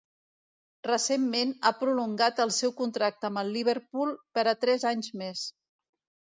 Recentment ha prolongat el seu contracte amb el Liverpool per a tres anys més.